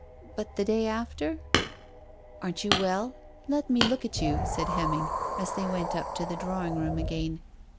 But the day after "" Aren't you well ? Let me look at you," said Hemming, as they went up to the draw ing room again.